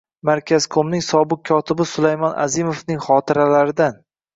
Markazqo’mning sobiq kotibi Sulaymon Azimovning xotiralaridan.